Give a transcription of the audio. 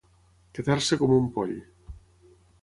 Quedar-se com un poll.